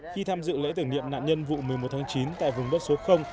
khi tham dự lễ tưởng niệm nạn nhân vụ một mươi một tháng chín tại vùng bất số khu